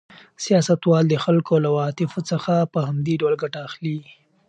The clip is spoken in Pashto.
سیاستوال د خلکو له عواطفو څخه په همدې ډول ګټه اخلي.